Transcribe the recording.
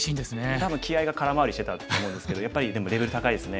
多分気合いが空回りしてたと思うんですけどやっぱりでもレベル高いですね。